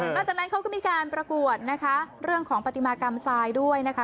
หลังจากนั้นเขาก็มีการประกวดนะคะเรื่องของปฏิมากรรมทรายด้วยนะคะ